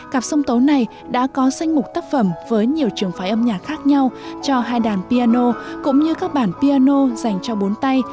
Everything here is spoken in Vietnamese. cặp sông tấu này đã có danh mục tác phẩm với nhiều trường phái âm nhạc khác nhau cho hai đàn piano cũng như các bản piano dành cho bốn tay